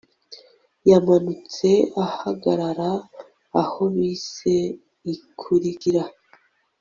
yamanutse ahagarara aho bisi ikurikira